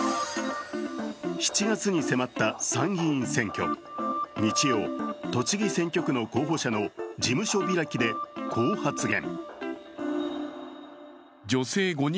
７月に迫った参議院選挙日曜、栃木選挙区の候補者の事務所開きでこう発言。